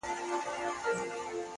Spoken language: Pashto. ه ياره د څراغ د مړه كولو په نيت!.